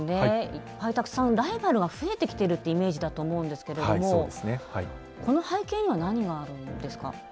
いっぱいたくさんライバルが増えてきてるってイメージだと思うんですけれどもこの背景には何があるんですか？